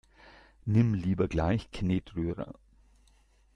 Nimm lieber gleich Knetrührer!